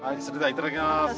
いただきます。